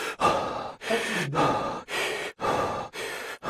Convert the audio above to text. Ad tt-beddleɣ.